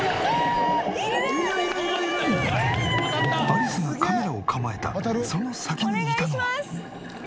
アリスがカメラを構えたその先にいたのは。